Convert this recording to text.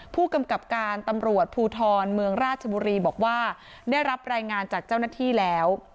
ผู้กำกับการตำรวจภูทรเมืองราชบุรีบอกว่าได้รับรายงานจากเจ้าหน้าที่แล้ว